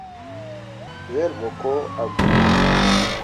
Wel ɓo ko ah guuni.